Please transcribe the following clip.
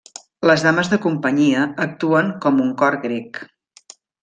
Les dames de companyia actuen com un cor grec.